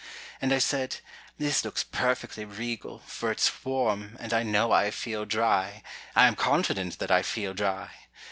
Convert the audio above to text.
And I said: "This looks perfectly regal, For it's warm, and I know I feel dry, I am confident that I feel dry.